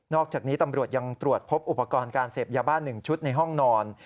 อกจากนี้ตำรวจยังตรวจพบอุปกรณ์การเสพยาบ้าน๑ชุดในห้องนอน